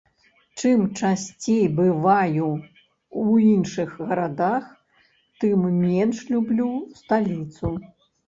Чым часцей бываю ў іншых гарадах, тым менш люблю сталіцу.